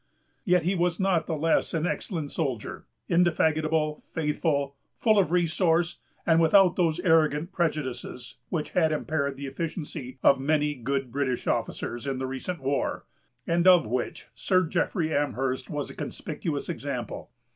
Yet he was not the less an excellent soldier; indefatigable, faithful, full of resource, and without those arrogant prejudices which had impaired the efficiency of many good British officers, in the recent war, and of which Sir Jeffrey Amherst was a conspicuous example.